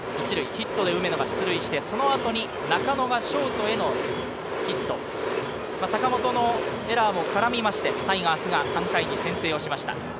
ヒットで梅野が出塁して、そのあと中野がショートへの坂本のエラーもからみまして、タイガースが３回に先制をしました。